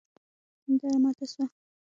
هنداره ماته سوه